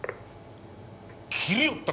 切りよった！